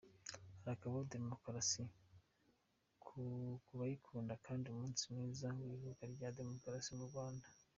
Harakabaho demokarasi ku bayikunda kandi umunsi mwiza w’ivuka rya demokarasimu Rwanda